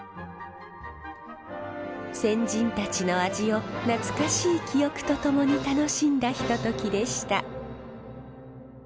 先人たちの味を懐かしい記憶と共に楽しんだひとときでした。